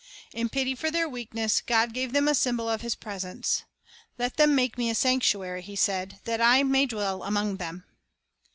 In pity for their weakness, God gave them a symbol of His presence. "Let them make Me a sanctuary," He said; "that I may dwell among them."